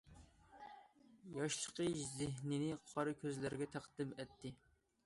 ياشلىقى، زېھنىنى قارا كۆزلەرگە تەقدىم ئەتتى.